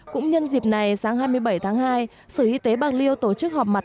cũng nhân dịp này sáng hai mươi bảy tháng hai sở y tế bạc liêu tổ chức họp mặt